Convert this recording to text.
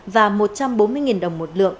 và một trăm bốn mươi đồng một lượng